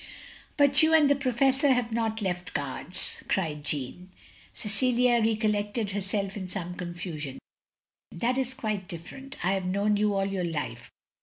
"" But you and the Prcrfessor have not left cards, " cried Jeanne. Cecilia recollected herself in some confusion. "That is quite different. I have known you all your life.